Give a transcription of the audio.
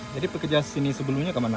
jadi pekerjaan sini sebelumnya kemana